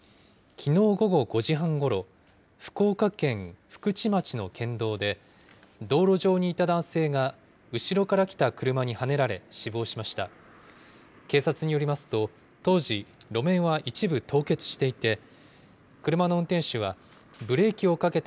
きのう午後５時半ごろ、福岡県福智町の県道で、道路上にいた男性が後ろから来た車にはねられ、死亡しました。